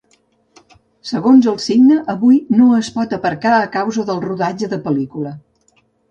Segons el signe, avui no es pot aparcar a causa del rodatge de pel·lícula.